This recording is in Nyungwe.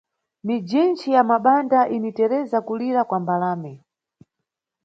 Mijinchi ya mabanda initereza kulira kwa mbalame!